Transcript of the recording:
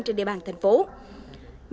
trên địa bàn tp hcm